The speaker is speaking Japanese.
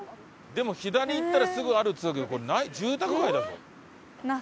でも左行ったらすぐあるっつってたけど住宅街だぞ。